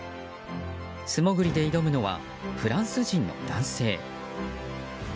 素潜りで挑むのはフランス人の男性。